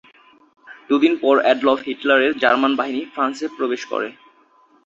দুদিন পর অ্যাডলফ হিটলারের জার্মান বাহিনী ফ্রান্সে প্রবেশ করে।